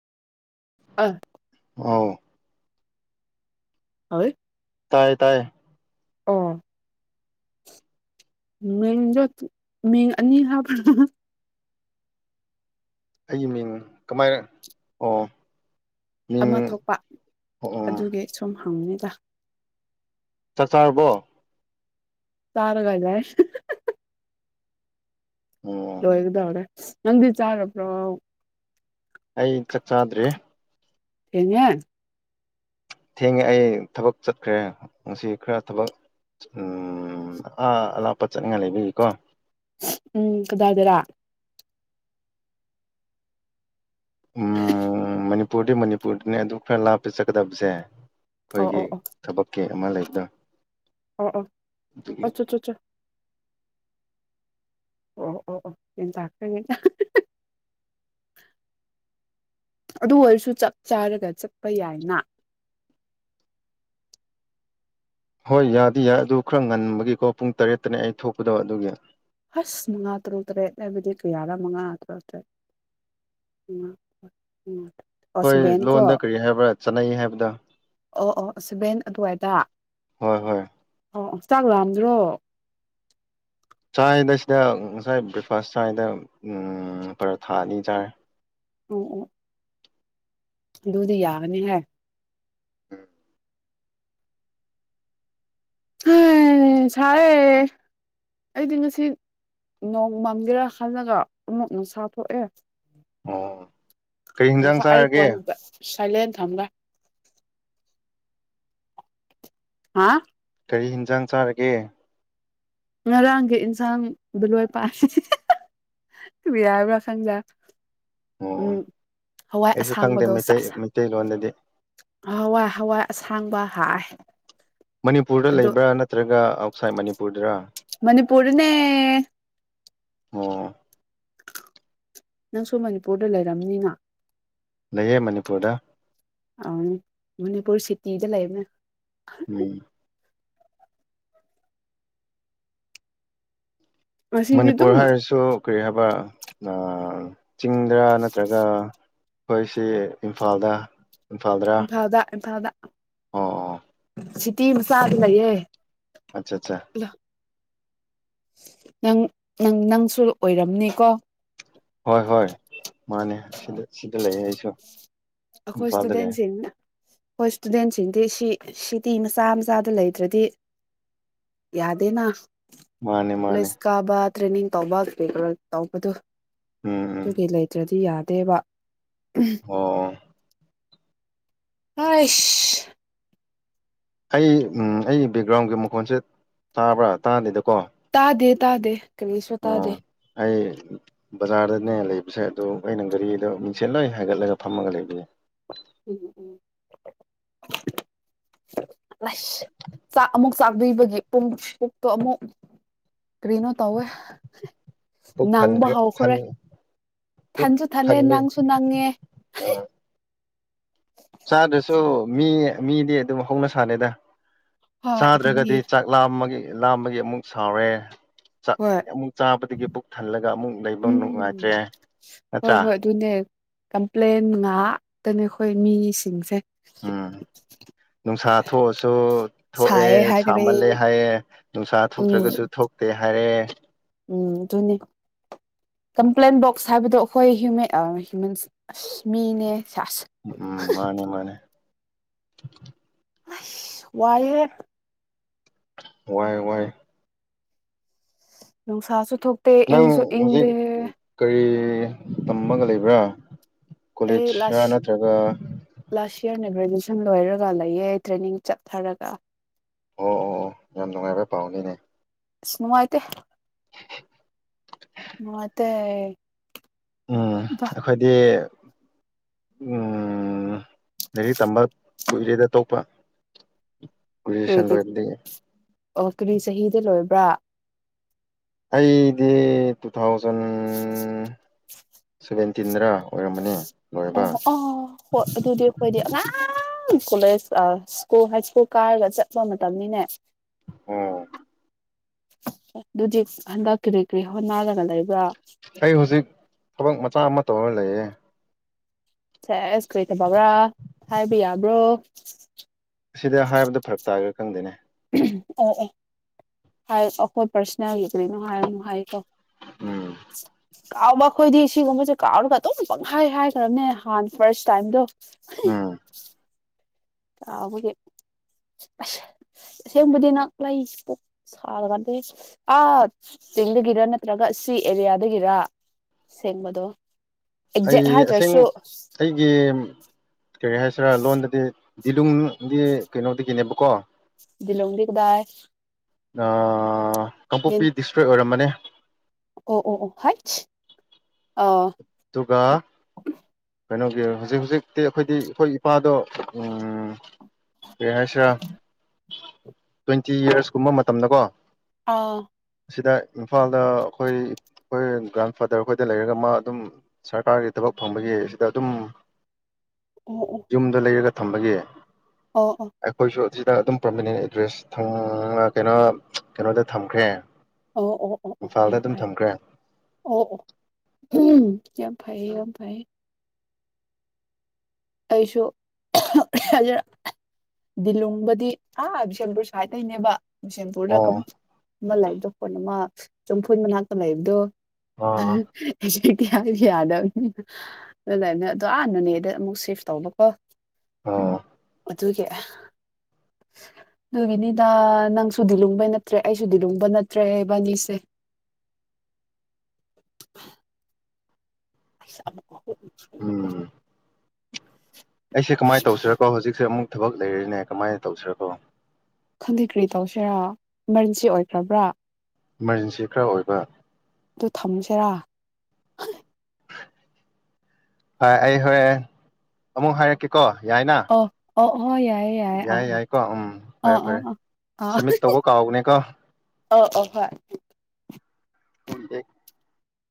ꯑ ꯑꯥꯎ ꯍꯣꯏ ꯇꯌꯦ ꯇꯌꯦ ꯑꯣ ꯃꯤꯡꯗ ꯃꯤꯡ ꯑꯅꯤ ꯍꯥꯞꯕ꯭ꯔꯥ ꯑꯩꯒꯤ ꯃꯤꯡ ꯀꯃꯥꯏ ꯑꯣ ꯃꯤꯡ ꯑꯃ ꯊꯣꯛꯄ ꯑꯣ ꯑꯣ ꯑꯗꯨꯒꯤ ꯁꯨꯝ ꯊꯃꯦꯗ ꯆꯥꯛ ꯆꯥꯔꯕꯣ ꯇꯔꯣ ꯂꯖꯥꯏ ꯑꯣ ꯂꯣꯣꯏꯒꯗ ꯍꯧꯅ ꯅ ꯆꯥꯔꯄ꯭ꯔ ꯑꯩ ꯆꯥꯛ ꯆꯥꯗ꯭꯭ꯔꯔꯤ ꯊꯉ ꯊꯦꯡꯉꯦ ꯑꯩ ꯊꯕꯛ ꯆꯠꯈ꯭ꯔꯦ ꯉꯁꯤ ꯈꯔ ꯊꯕꯛ ꯑ ꯑꯂꯥꯞꯄ ꯆꯠꯅꯤꯡꯉꯥꯏ ꯂꯩꯕꯤꯒꯤꯀꯣ ꯎꯝ ꯀꯗꯥꯗꯔꯥ ꯎꯝ ꯃꯅꯤ ꯃꯅꯤꯄꯨꯔꯗꯤ ꯃꯅꯤꯄꯨꯔꯗꯅꯦ ꯑꯗꯨꯝ ꯈꯔ ꯂꯥꯞꯄꯦ ꯆꯠꯀꯗꯕꯁꯦ ꯑꯣ ꯑꯩꯈꯣꯏꯒꯤ ꯊꯕꯛꯀꯤ ꯀꯃ ꯂꯩꯇ ꯑ ꯑ ꯑꯆꯥ ꯑꯠꯆꯥ ꯑꯆꯥ ꯑꯣ ꯑꯣ ꯑꯣ ꯌꯦꯟ ꯆꯥꯛꯇ꯭ꯔ ꯑꯗꯨ ꯑꯣꯏꯔꯁꯨ ꯆꯞ ꯆꯥꯔꯒ ꯆꯠꯄ ꯌꯥꯏꯅ ꯍꯣꯏ ꯌꯥꯗꯤ ꯌꯥꯏ ꯑꯗꯨ ꯈꯔ ꯉꯟꯕꯒꯤꯀꯣ ꯄꯨꯡ ꯇꯔꯦꯠꯇꯅꯦ ꯑꯩ ꯊꯣꯛꯄꯗꯕ ꯑꯗꯨꯒꯤ ꯑꯁ ꯃꯉꯥ ꯇꯔꯨ ꯇꯔꯦꯠ ꯍꯥꯏꯕꯗꯤ ꯀꯌꯥꯅꯥ ꯃꯉꯥ ꯇꯔꯨ ꯇꯔꯦꯠ ꯎ ꯎꯝ ꯑꯣ ꯍꯣꯏ ꯁꯚꯦꯟ ꯀꯣ ꯂꯣꯟꯗ ꯀꯔꯤ ꯍꯥꯏꯕ꯭ꯔꯥ ꯆꯠꯅꯩ ꯍꯥꯏꯕꯗ ꯑꯣ ꯑꯣ ꯁꯚꯦꯟ ꯑꯗꯨꯋꯥꯏꯗ ꯍꯣꯏ ꯍꯣꯏ ꯑꯣ ꯆꯥꯛ ꯂꯥꯛꯑꯝꯗ꯭ꯔꯣ ꯆꯥꯏꯗꯁꯤꯗ ꯉꯁꯥꯏ ꯕ꯭ꯔꯦꯛꯐꯥꯁ ꯆꯥꯗ ꯄꯨꯔꯥ ꯊꯥ ꯑꯅꯤ ꯆꯥꯔꯦ ꯑꯣꯝ ꯎ ꯑꯗꯨꯗꯨꯗꯤ ꯌꯥꯒꯅꯤ ꯍꯥꯏ ꯁꯥꯔꯦ ꯑꯩꯗꯤ ꯉꯁꯤ ꯅꯣꯡꯃꯝꯒꯦꯔꯥ ꯈꯜꯂꯒ ꯑꯃꯨꯛ ꯅꯁꯥ ꯊꯣꯛꯑꯦ ꯑꯣ ꯀꯩ ꯌꯦꯟꯖꯥꯡ ꯆꯥꯔꯒꯦ ꯊꯥꯏꯂꯦꯟ ꯊꯝꯒ ꯍꯥ ꯀꯒꯥꯔꯤ ꯌꯦꯟꯁꯥꯡ ꯆꯥꯔꯒꯦ ꯉꯔꯥꯡꯒꯤ ꯏꯟꯁꯥꯡꯗ ꯂꯣꯏ ꯄꯥꯛ ꯌꯥꯕ꯭ꯔꯥ ꯈꯪꯗꯦ ꯎꯝ ꯑꯣ ꯍꯋꯥꯏ ꯑꯩꯁꯨ ꯈꯪꯗꯦ ꯑꯁꯥꯡꯕꯗꯣ ꯃꯩꯇꯩ ꯆꯠ ꯃꯩꯇꯩꯂꯣꯟꯗꯗꯤ ꯍꯋꯥꯏ ꯍꯋꯥꯏ ꯑꯁꯥꯡꯕ ꯍꯥꯥ ꯃꯅꯤꯄꯨꯔꯗ ꯂꯩꯕ꯭ꯔꯥ ꯅꯠꯇ꯭ꯔꯒ ꯑꯥꯎꯠꯁꯥꯏꯠ ꯃꯅꯤꯄꯨꯔꯗꯔ ꯃꯅꯤꯄꯨꯔꯨꯔꯅꯦ ꯎꯝ ꯅꯪꯁꯨ ꯃꯅꯤꯄꯨꯔꯗ ꯂꯩꯔꯝꯅꯤꯅ ꯂꯩꯌꯦꯦ ꯃꯅꯤꯄꯨꯔꯗ ꯑ ꯃꯅꯤꯄꯨꯔ ꯁꯤꯇꯤꯗ ꯂꯩꯕꯅꯦ ꯎꯝ ꯉꯁꯤꯗꯤ ꯑꯗꯨꯝ ꯃꯅꯤꯄꯨꯔ ꯍꯥꯏꯔꯁꯨ ꯀꯔꯤ ꯍꯥꯏꯕ ꯆꯤꯡꯗ ꯅꯠꯇ꯭ꯔꯒ ꯑꯩꯈꯣꯏꯁꯤ ꯏꯝꯐꯥꯜꯗ ꯏ ꯐꯥꯎꯗ ꯏ ꯐꯥꯎꯗ ꯑ ꯑ ꯁꯤꯇꯤ ꯃꯆꯥꯥꯒꯂꯌꯦꯦ ꯑꯆꯥ ꯑꯠꯆꯥ ꯅꯪ ꯅꯪ ꯅꯪꯁꯨ ꯑꯣꯏꯔꯝꯅꯤꯀꯣ ꯍꯣꯏ ꯍꯣꯏ ꯃꯥꯅꯦ ꯁꯤꯗ ꯁꯤꯗ ꯂꯩꯌꯦ ꯑꯩꯁꯨ ꯑꯈꯣꯏꯁ ꯏꯝꯐꯥꯜꯗ ꯂꯩꯌꯦ ꯇꯗꯦꯟꯁꯅ ꯍꯣꯏ ꯏꯁꯇꯨꯗꯦꯟꯁꯤꯡꯗꯤ ꯁꯤ ꯁꯤꯇꯤ ꯃꯆꯥ ꯃꯆꯥꯗ ꯂꯩꯗ꯭ꯔꯗꯤ ꯌꯥꯗꯦꯅ ꯃꯥꯅꯦ ꯃꯥꯅꯦ ꯁꯀꯕꯥ ꯇ꯭ꯔꯦꯅꯤꯡ ꯇꯧꯕꯦ ꯇꯧꯕꯗꯨꯣ ꯎꯝ ꯎꯝ ꯇꯨꯡꯒꯂ ꯏ꯭ꯔꯦ ꯁꯤ ꯌꯥꯗꯦꯕ ꯎꯝ ꯑꯣ ꯍꯣꯏꯁ ꯑꯩ ꯎꯝ ꯑꯩ ꯕꯦꯛꯒ꯭ꯔꯥꯎꯟꯒꯤ ꯃꯈꯣꯟꯁꯦ ꯇꯥꯕ꯭ꯔꯥ ꯇꯥꯗꯗꯀꯣ ꯇꯥꯗꯦ ꯇꯥꯗꯦ ꯀꯔꯤꯁꯨ ꯑꯣ ꯇꯥꯗꯦ ꯑꯩ ꯖꯥꯔ ꯅꯦ ꯂꯩꯕꯁꯦ ꯑꯗꯨꯗ ꯑꯩꯅ ꯒꯥꯔꯤꯗꯣ ꯃꯤꯡꯁꯦꯜ ꯂꯣꯏ ꯍꯥꯏꯒꯠꯂꯒ ꯐꯝꯃꯒ ꯂꯩꯕ ꯌꯥꯏ ꯎꯝ ꯎꯝ ꯑꯁ ꯆꯥꯛ ꯑꯃꯨꯛ ꯆꯥꯛꯗꯣꯏꯕꯒꯤ ꯄꯨꯡꯄꯣꯛꯛꯇꯣ ꯑꯃꯨꯛ ꯀꯩꯅꯣ ꯇꯧꯋꯦ ꯄꯨꯛ ꯅꯪꯕ ꯊꯟꯈ꯭ꯔꯦ ꯊꯟ ꯍꯧꯈ꯭ꯔꯦ ꯄꯨꯛ ꯊꯟꯁꯨ ꯊꯜꯂꯦ ꯊꯟꯕꯩ ꯅꯪꯁꯨ ꯅꯪꯉꯦ ꯑꯥ ꯆꯥꯗ꯭ꯔꯁꯨ ꯃꯤ ꯃꯤꯗꯤ ꯑꯗꯨꯝ ꯍꯧꯅ ꯁꯅꯦꯗ ꯍꯣꯏ ꯑꯗꯨꯅꯦ ꯆꯥꯗ꯭ꯔꯒꯗꯤ ꯆꯥꯛ ꯂꯥꯝ ꯑꯃꯒꯤ ꯂꯥꯝꯕꯒꯤ ꯑꯃꯨꯛ ꯁꯥꯎꯔꯦ ꯥꯛ ꯍꯣꯏ ꯑꯃꯨꯛ ꯆꯥꯕꯗꯒꯤ ꯄꯨꯛ ꯊꯜꯂꯒ ꯑꯃꯨꯛ ꯂꯩꯕ ꯎꯝ ꯅꯨꯡꯉꯥꯏꯇ꯭ꯔꯦ ꯍꯣꯏ ꯅꯠꯇ꯭ꯔꯥ ꯍꯣꯏ ꯑꯗꯨꯅꯦ ꯀꯝꯄ꯭ꯂꯦꯟ ꯉꯥꯛꯇꯅꯤ ꯑꯩꯈꯣꯏ ꯃꯤꯁꯤꯡꯁꯦ ꯎꯝ ꯅꯨꯡꯁꯥ ꯊꯣꯛꯑꯁꯨ ꯊꯣꯛꯑꯦ ꯁꯥꯏꯌꯦ ꯍꯥꯏꯒꯅꯤ ꯁꯥꯃꯜꯂꯦ ꯍꯥꯏꯌꯦꯦ ꯅꯨꯡꯁꯥ ꯎꯝ ꯊꯣꯛꯇ꯭ꯔꯒꯁꯨ ꯊꯣꯛꯇꯦ ꯍꯥꯏꯔꯦ ꯎꯝ ꯑꯗꯨꯅꯤ ꯀꯝꯄ꯭ꯂꯦꯟ ꯕꯣꯛꯁ ꯍꯥꯏꯕꯗꯣ ꯑꯩꯈꯣꯏꯨꯦꯟ ꯍ꯭ꯌꯨꯃꯦꯟ ꯑꯁ ꯃꯤꯅꯦ ꯁꯥꯁ ꯎꯝ ꯃꯥꯅꯦ ꯃꯥꯅꯦ [inaudible] ꯋꯥꯏ ꯋꯥꯏ ꯋꯥꯏ ꯅꯪ ꯁꯥꯁ ꯊꯨꯛꯇ ꯅꯪ ꯏꯪꯁꯨ ꯍꯧꯖꯤꯛ ꯏꯪꯗꯦ ꯀꯔꯤ ꯇꯝꯃꯒ ꯂꯩꯕ꯭ꯔꯥ ꯑꯩ ꯀꯣꯂꯦꯖ ꯅꯠꯇ꯭ꯔꯒ ꯑꯩꯅ ꯒ꯭ꯔꯦꯖꯨꯑꯦꯁꯟ ꯂꯣꯏꯔꯒ ꯂꯩꯌꯦ ꯇ꯭ꯔꯦꯅꯤꯡ ꯆꯠꯊꯔꯒ ꯑꯣ ꯑꯣ ꯑꯣ ꯌꯥꯝ ꯅꯨꯡꯉꯥꯏꯕ ꯄꯥꯎꯅꯤꯅꯦ ꯁꯅꯅꯨꯡꯥꯏꯇ ꯃꯥ ꯇ ꯎꯝ ꯑꯩꯈꯣꯏꯗꯤ ꯎꯝ ꯂꯥꯏꯔꯤꯛ ꯇꯝꯕ ꯀꯨꯏꯔꯦꯗ ꯇꯣꯛꯄ ꯀꯖꯤꯁꯟꯗ ꯀꯔꯤꯒꯤ ꯏꯗꯤ ꯑꯣ ꯀꯔꯤ ꯆꯍꯤꯗ ꯂꯣꯏꯕ꯭ꯔꯥ ꯑꯩꯗꯤ ꯇꯨ ꯊꯥꯎꯖꯟ [inaudible] ꯁꯚꯦꯟꯇꯤꯟꯗ꯭ꯔ ꯑꯣꯏꯔꯝꯕꯅꯤ ꯑꯣ ꯂꯣꯏꯕ ꯑꯣ ꯍ ꯑꯗꯨꯗꯤ ꯈꯣꯏꯗ ꯑ ꯀꯣꯂꯦꯖ ꯁ꯭ꯀꯨꯜ ꯍꯥꯏ ꯁ꯭ꯀꯨꯜ ꯀꯥꯔꯒ ꯆꯠꯄ ꯃꯇꯝꯅꯤꯅꯦ ꯑꯣ ꯑꯗꯨꯗꯤ ꯍꯟꯗꯛ ꯀꯔꯤ ꯀꯔꯤ ꯍꯣꯠꯅꯔꯒ ꯂꯩꯕ꯭ꯔꯥ ꯑꯩ ꯍꯧꯖꯤꯛ ꯊꯕꯛ ꯃꯆꯥ ꯑꯃ ꯇꯧꯔꯅꯤ ꯑꯦ ꯁꯦ ꯑꯁ ꯀꯔꯤ ꯊꯕꯕ꯭ꯔꯥ ꯍꯥꯏꯕ ꯌꯥꯕ꯭ꯔꯣ ꯑꯁꯤꯗ ꯍꯥꯏꯕꯗꯣ ꯐꯔꯛ ꯇꯥꯔꯒ ꯈꯪꯗꯣꯏꯅꯦ ꯑꯣ ꯑꯣ ꯍꯥꯏ ꯑꯩꯈꯣꯏ ꯄꯔꯁ ꯌꯥ ꯌ ꯀꯔꯤꯅ ꯍꯥꯏ ꯍꯥꯏꯀꯣ ꯎꯝ ꯀꯥꯎꯕ ꯑꯩꯈꯣꯏꯗꯤ ꯁꯤꯒꯨꯝꯕꯁꯦ ꯀꯥꯎꯔꯒ ꯑꯇꯣꯝ ꯄꯪꯈꯥꯏ ꯍꯥꯏꯈ꯭ꯔꯕꯅꯦ ꯍꯥꯟꯅ ꯐꯥꯔꯁ ꯇꯥꯏꯝꯗꯣ ꯑꯝ ꯑꯩꯈꯣꯏꯒꯤ ꯑꯁꯦꯡꯕꯗꯤ ꯅꯪ ꯂꯩ ꯄꯨꯣꯛ ꯁꯥꯔꯀꯥꯟꯗ ꯑꯥ ꯆꯤꯡꯗꯒꯤꯔ ꯅꯠꯇ꯭ꯔꯒ ꯁꯤ ꯑꯦꯔꯤꯌꯥꯗꯒꯤꯔ ꯑꯁꯦꯡꯕꯗꯣ ꯑꯩ ꯑꯁꯦꯡ ꯑꯩꯒꯤ ꯀꯔꯤ ꯍꯥꯏꯁꯤꯔꯥ ꯂꯣꯟꯗꯗꯤ ꯗꯤꯂꯨꯡꯒꯤ ꯀꯩꯅꯣꯗꯒꯤꯅꯦꯕꯀꯣ ꯂꯣꯡꯗꯤ ꯀꯗꯥ ꯑ ꯀꯥꯡꯄꯣꯛꯄꯤ ꯗꯤꯁꯇ꯭ꯔꯤꯛ ꯑꯣꯏꯔꯝꯕꯅꯤ ꯑꯣ ꯑꯣ ꯑꯣ ꯍꯥꯏꯠ ꯑ ꯑꯗꯨꯒ ꯀꯩꯅꯣꯒꯤ ꯍꯧꯖꯤꯛ ꯍꯧꯖꯤꯛꯇꯤ ꯑꯩꯈꯣꯏꯗꯤ ꯑꯩꯈꯣꯏ ꯏꯄꯥꯗꯣ ꯎ ꯑꯦ ꯍꯥꯏꯁ꯭ꯔꯥ ꯇ꯭ꯋꯦꯟꯇꯤ ꯌꯔꯁꯀꯨꯝꯕ ꯃꯇꯝꯗꯀꯣ ꯑꯥ ꯑꯁꯤꯗ ꯏꯝꯐꯥꯜꯗ ꯑꯩꯈꯣꯏ ꯑꯩꯈꯣꯏ ꯒ꯭ꯔꯥꯟꯐꯥꯗꯔ ꯈꯣꯏꯗ ꯂꯩꯔꯒ ꯃꯥ ꯑꯗꯨꯝ ꯁꯔꯀꯥꯔꯒꯤ ꯊꯕꯛ ꯐꯪꯕꯒꯤ ꯁꯤꯗ ꯑꯗꯨꯝ ꯑꯣ ꯑꯣ ꯨꯝꯗ ꯂꯩꯒ ꯊꯝꯕꯒꯤ ꯑꯣ ꯑꯣ ꯑꯦꯣꯏꯁꯨ ꯁꯤꯗ ꯑꯗꯨꯝ ꯄ꯭ꯔꯣꯃꯤꯅꯦꯟ ꯑꯦꯗ꯭ꯔꯦꯁ ꯀꯩꯅꯣ ꯀꯩꯅꯣꯗ ꯊꯝꯈ꯭ꯔꯦ ꯑꯣ ꯑꯣ ꯑꯣ ꯑꯣ ꯏꯝꯐꯥꯜꯗ ꯌꯥꯝ ꯑꯗꯨꯝ ꯐꯥꯏ ꯊꯝꯈ꯭ꯔꯦ ꯑꯣ ꯑꯣ ꯀ ꯐꯥꯏꯌꯦ ꯌꯥꯝ ꯐꯥꯏ ꯑꯩꯁꯨ ꯍꯥꯏꯖꯔ ꯗꯤꯂꯨꯡꯕꯗꯤ ꯑꯥ ꯕꯤꯁꯦꯟꯄꯨꯔ ꯁꯥꯏꯗꯇꯩꯒꯤꯅꯦꯕ ꯁꯦꯝꯄꯨꯔꯗ ꯑꯣ ꯀꯝ ꯃꯂꯥꯏ ꯆꯐꯣꯟ ꯑꯃ ꯆꯨꯝꯐꯨꯟ ꯃꯅꯥꯛꯇ ꯂꯩꯕꯗꯣ ꯑꯥ [inaudible] ꯗꯤ ꯌꯥꯗꯕꯅꯤ ꯑꯗꯨꯥꯏꯅ ꯑ ꯑꯅꯅꯦꯗ ꯑꯃꯨꯛ ꯁꯤꯐ ꯇꯧꯅꯨꯀꯣ ꯑ ꯑꯗꯨꯒꯤ ꯑꯗꯨꯒꯤꯅꯤꯗ ꯅꯪꯁꯨꯗꯤ ꯂꯨꯡꯕꯩ ꯅꯠꯇ꯭ꯔꯦ ꯑꯩꯁꯨꯗꯤ ꯂꯨꯡꯕ ꯅꯠꯇ꯭ꯔꯦꯕꯥꯅꯤꯁꯦ ꯑꯀꯣ ꯎꯝ ꯑꯩꯁꯦ ꯀꯃꯥꯏꯅ ꯇꯧꯁꯤꯔꯀꯣꯖꯤꯛꯁꯦ ꯑꯃꯨꯛ ꯊꯕꯛ ꯂꯩꯔꯅꯦ ꯀꯃꯥꯏꯅ ꯇꯧꯁꯤꯔꯕꯣ ꯈꯪꯗꯦ ꯀꯔꯤ ꯇꯧꯁꯤꯦꯔꯥ ꯏꯃꯥꯔꯖꯦꯟꯁꯤ ꯑꯣꯏꯈ꯭ꯔꯕ꯭ꯔꯥ ꯏꯃꯥꯔꯖꯦꯟꯁꯤ ꯈꯔ ꯑꯣꯏꯕ ꯊꯝꯁꯤꯦꯔꯥ ꯍꯣꯏ ꯑꯩ ꯍꯣꯔꯦꯟ ꯑꯃꯨꯛ ꯍꯥꯏꯔꯛꯀꯦ ꯀꯣ ꯌꯥꯏꯅ ꯑꯣ ꯑꯣ ꯍꯣꯏ ꯌꯥꯏꯌꯦ ꯌꯥꯏꯌꯦ ꯌꯥꯏ ꯑꯥ ꯌꯥꯏꯀꯣ ꯎꯝ ꯐꯔꯦ ꯑꯥ ꯑꯥ ꯑꯥ ꯐꯔꯦ ꯑꯥ ꯁꯝꯃꯤꯠ ꯇꯧꯕ ꯀꯥꯎꯅꯦꯀꯣ ꯑ ꯑꯣ ꯍꯣꯏ ꯍ ꯇꯦ